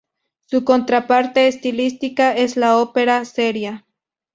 Su contraparte estilística es la ópera seria.